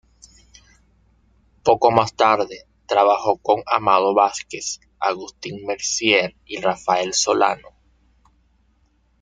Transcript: Poco más tarde, trabajó con Amado Vásquez, Agustín Mercier y Rafael Solano.